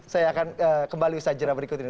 saya akan kembali ke sajra berikut ini